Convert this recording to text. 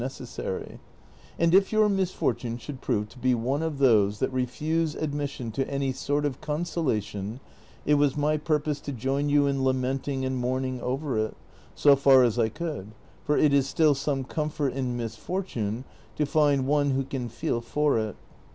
181 And if your luisfortune should prove to be one of those tliat refuse admission to any sort of consolation, it was my i)urpose to join you in Uimenting and mourning over it, so far as I could; for it is still some comfort in misfortune to find one who can feel for it.